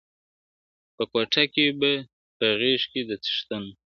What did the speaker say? په کوټه کي به په غېږ کي د څښتن وو٫